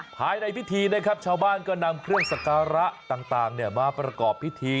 ภายในพิธีนะครับชาวบ้านก็นำเครื่องสการะต่างมาประกอบพิธี